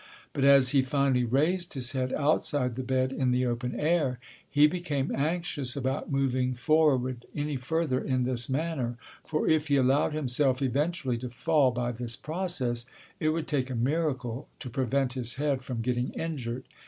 But as he finally raised his head outside the bed in the open air, he became anxious about moving forward any further in this manner, for if he allowed himself eventually to fall by this process, it would take a miracle to prevent his head from getting injured.